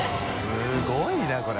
すごいなこれ。